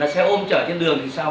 xe ôm chở trên đường thì sao